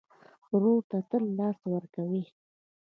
ورور ته تل لاس ورکوې.